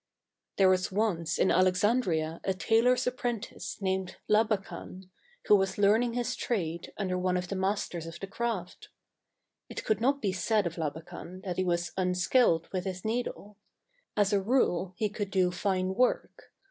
191 There was once in Alexandria a tailor's appren tice named Labakan, who was learning his trade under one of the masters of the craft. It could not be said of Labakan that he was unskilled with his needle. As a rule he could do fine work.